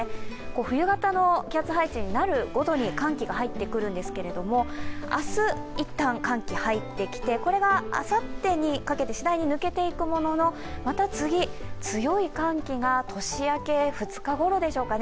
冬型の気圧配置になるごとに寒気が入ってくるんですが明日、いったん寒気が入ってきてこれがあさってにかけて次第に抜けていくもののまた次、強い寒気が年明け２日ごろでしょうかね